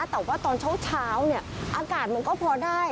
แต่ว่าตอนเช้าอากาศมันก็พอได้